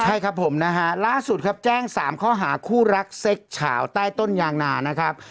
ใช่ครับผมนะฮะล่าสุดครับแจ้ง๓ข้อหาคู่รักเซ็กเฉาใต้ต้นยางนานะครับ